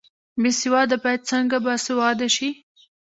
بې سواده باید څنګه باسواده شي؟